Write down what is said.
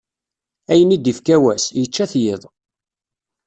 Ayen i d-ifka wass, yečča-t yiḍ.